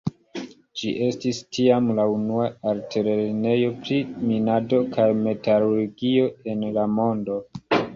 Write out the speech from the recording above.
Ĝi estis tiam la unua altlernejo pri minado kaj metalurgio en la mondo.